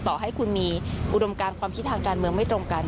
ต่อให้คุณมีอุดมการความคิดทางการเมืองไม่ตรงกัน